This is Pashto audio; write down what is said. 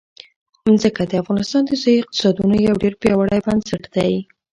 ځمکه د افغانستان د ځایي اقتصادونو یو ډېر پیاوړی بنسټ دی.